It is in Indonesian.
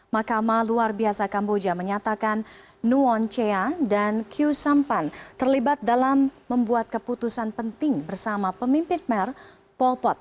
makamah luar biasa kamboja menyatakan nuon chea dan q sampan terlibat dalam membuat keputusan penting bersama pemimpin mer polpot